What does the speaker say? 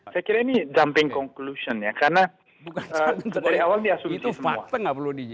saya kira ini jumping conclusion ya karena dari awal ini asumsi semua